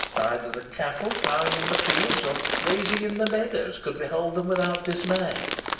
Neither the cattle ploughing in the fields or grazing in the meadows could behold them without dismay.